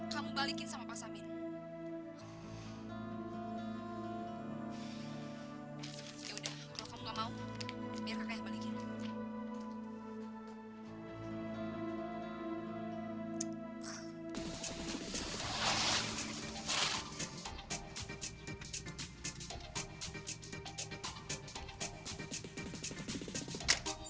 tapi mau jual